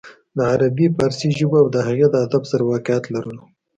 د عربي فارسي ژبو او د هغې د ادب سره واقفيت لرلو